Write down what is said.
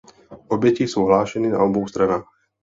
Oběti jsou hlášeny na obou stranách.